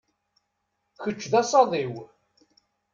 Kečč d asaḍ-iw.